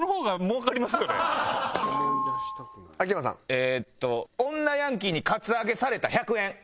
えっと女ヤンキーにカツアゲされた１００円。